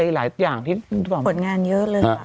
หลอดงานเยอะเลย